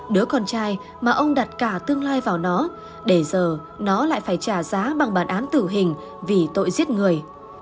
đứa con trai mà ông đặt cả tương lai vào nó để giờ nó lại phải trả giá bằng bản án tử hình vì tội giết người